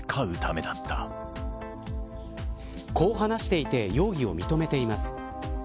こう話していて容疑を認めています。